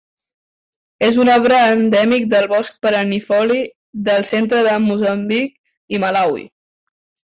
És un arbre endèmic del bosc perennifoli del centre de Moçambic i Malawi.